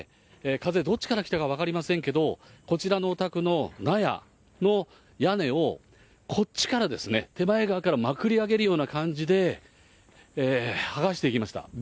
風どっちから来たか分かりませんけど、こちらのお宅の納屋の屋根を、こっちからですね、手前側からまくり上げるような感じで、剥がしていきました。